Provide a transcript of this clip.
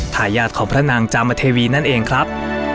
ทายาทของพระนางจามเทวีนั่นเองครับ